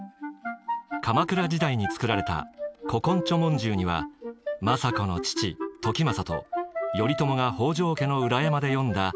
鎌倉時代に作られた「古今著聞集」には政子の父時政と頼朝が北条家の裏山で詠んだ